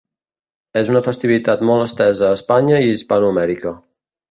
És una festivitat molt estesa a Espanya i Hispanoamèrica.